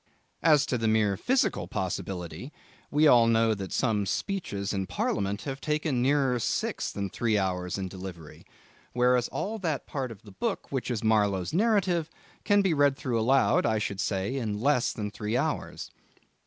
As to the mere physical possibility we all know that some speeches in Parliament have taken nearer six than three hours in delivery; whereas all that part of the book which is Marlow's narrative can be read through aloud, I should say, in less than three hours.